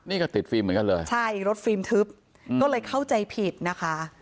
นี่ก็ติดฟิล์มเหมือนกันเลยใช่รถฟิล์มทึบก็เลยเข้าใจผิดนะคะ